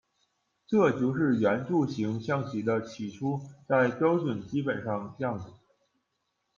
这就是圆柱型象棋的起初在标准基本上样子。